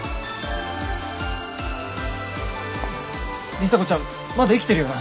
里紗子ちゃんまだ生きてるよな？